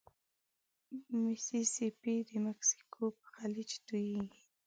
ميسي سي پي د مکسیکو په خلیج توییږي.